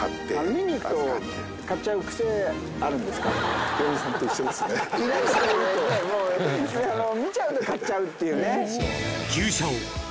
見ちゃうと買っちゃうっていうね。